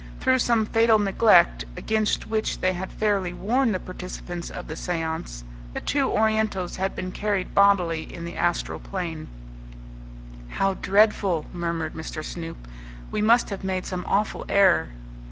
Through some fatal neglect, against which they had fairly warned the participants of the seance, the two Orientals had been carried bodily in the astral plane. "How dreadful!" murmured Mr. Snoop. "We must have made some awful error."